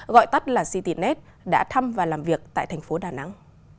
gọi tắt là citynet đã thăm và làm việc tại thành phố đà nẵng